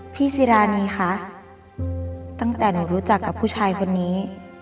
ซีรานีคะตั้งแต่หนูรู้จักกับผู้ชายคนนี้